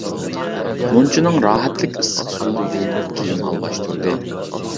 مۇنچىنىڭ راھەتلىك ئىسسىق سۈيىدە يۇيۇنۇپ كىيىم ئالماشتۇردى.